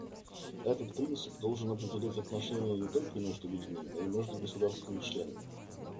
Этот принцип должен определять отношения не только между людьми, но и между государствами-членами.